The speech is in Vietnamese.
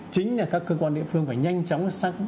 chính là các cơ quan địa phương phải nhanh chóng xác